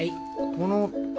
この。